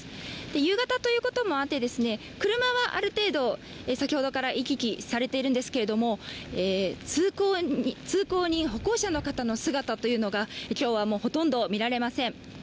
夕方ということもあって、車はある程度、先ほどから行き来されているんですが通行に歩行者の方の姿というのが今日はもうほとんど見られません。